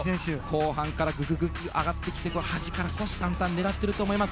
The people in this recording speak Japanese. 後半からググッと上がってきて端から虎視眈々狙っていると思います。